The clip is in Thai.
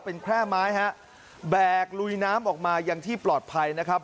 เป็นแค่ไม้ฮะแบกลุยน้ำออกมาอย่างที่ปลอดภัยนะครับ